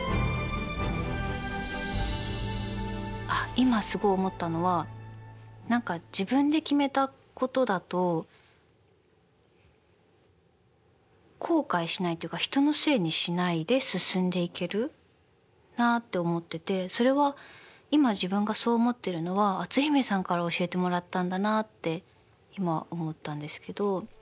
今すごい思ったのは何か自分で決めたことだと後悔しないっていうか人のせいにしないで進んでいけるなって思っててそれは今自分がそう思ってるのは篤姫さんから教えてもらったんだなって今思ったんですけど。